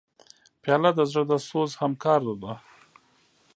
پیاله د زړه د سوز همکار ده.